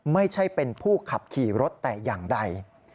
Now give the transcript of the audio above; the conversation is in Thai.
ไม่ใช่เป็นผู้ขับขี่รถแต่อย่างใด